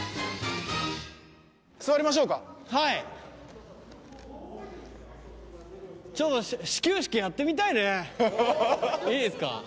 座りましょうかはいちょっと始球式やってみたいねいいですか？